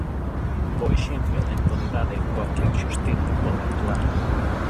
Un bo exemplo da impunidade coa que a xustiza pode actuar.